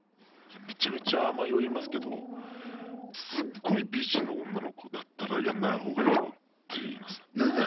めちゃめちゃ迷いますけどすっごい美人の女の子だったらやんない方がいいよって言いますね。